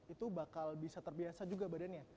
itu bakal bisa terbiasa juga badannya